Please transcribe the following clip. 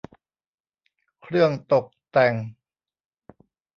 เครื่องตกแต่ง